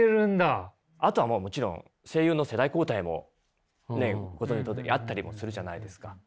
あとはもちろん声優の世代交代もねご存じのとおりあったりもするじゃないですか。